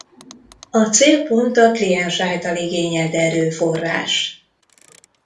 A célpont a kliens által igényelt erőforrás.